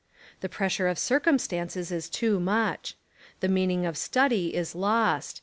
The pressure of cir cumstances is too much. The meaning of study is lost.